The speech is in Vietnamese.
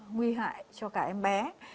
nguy hại cho cả em bé